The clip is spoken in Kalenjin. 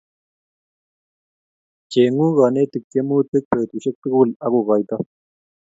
chengu konetic tiemutik betusiek tukul akukoito